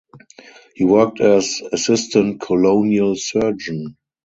He worked as Assistant Colonial Surgeon.